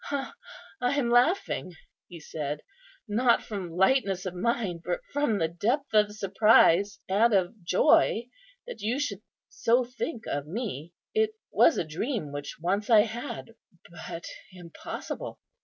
"I am laughing," he said, "not from lightness of mind, but from the depth of surprise and of joy that you should so think of me. It was a dream which once I had; but impossible!